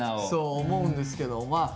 そう思うんですけどま